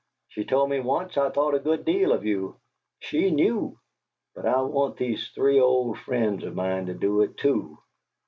She told me once I thought a good deal of you. She knew! But I want these three old friends of mine to do it, too.